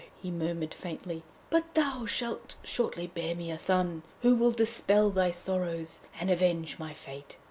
he murmured faintly, 'but thou shalt shortly bear me a son who will dispel thy sorrows and avenge my fate.'